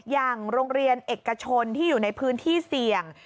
อย่างโรงเรียนเอกชนที่อยู่ในพื้นที่เสี่ยง